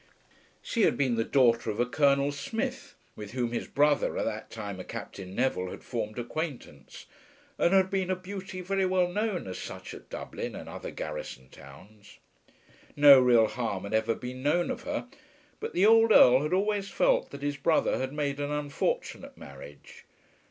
She had been the daughter of a Colonel Smith, with whom his brother, at that time a Captain Neville, had formed acquaintance; and had been a beauty very well known as such at Dublin and other garrison towns. No real harm had ever been known of her, but the old Earl had always felt that his brother had made an unfortunate marriage.